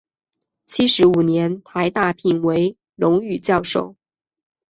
七十五年台大聘为荣誉教授。